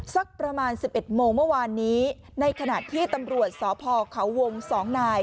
สักประมาณ๑๑โมงเมื่อวานนี้ในขณะที่ตำรวจสพเขาวง๒นาย